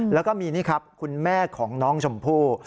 แล้วก็มีนี่ครับคุณแม่ของน้องชมพู่